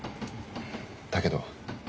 だけど。